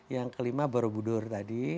yang kelima borobudur tadi